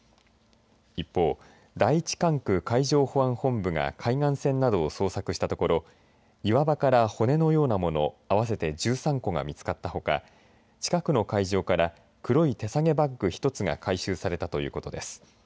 一方、第１管区海上保安本部が海岸線などを捜索したところ岩場から骨のようなもの合わせて１３個が見つかったほか近くの海上から黒い手提げバッグ１つが回収されたということです。